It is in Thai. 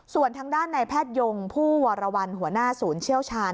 ส่วนทางด้านในแพทยงผู้วรวรรณหัวหน้าศูนย์เชี่ยวชาญ